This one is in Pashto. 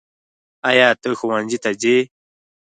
ایا ته ښؤونځي ته څې؟